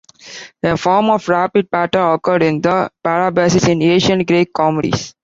A form of rapid patter occurred in the parabasis in ancient Greek comedies.